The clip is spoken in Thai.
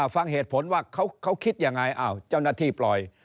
ฟังเหตุผลว่าเขาคิดยังไงเจ้าหน้าที่ปล่อย